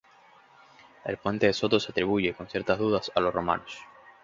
El puente de Soto se atribuye, con ciertas dudas, a los romanos.